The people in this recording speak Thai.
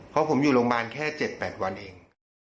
เพราะผมอยู่โรงพยาบาลแค่๗๘วันเอง